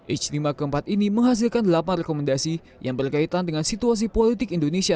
ijtima keempat ini menghasilkan delapan rekomendasi yang berkaitan dengan situasi politik indonesia